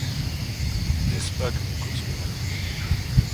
N’est-ce pas que nous causons gentiment ?